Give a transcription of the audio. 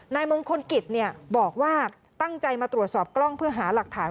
นายมงคลกิจบอกว่าตั้งใจมาตรวจสอบกล้องเพื่อหาหลักฐาน